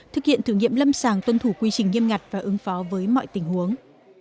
thực hiện thử nghiệm lâm sàng tuân thủ quy trình nghiêm ngặt và ứng phó với mọi tình huống